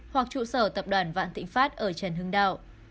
hoặc trụ sở tập đoàn vạn thịnh pháp ở trần hưng đạo